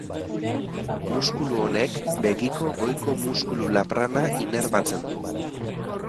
Muskulu honek begiko goiko muskulu laprana inerbatzen du.